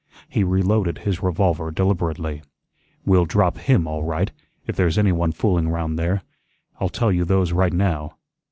He reloaded his revolver deliberately. "We'll drop HIM all right, if there's anyone fooling round there; I'll tell you those right now.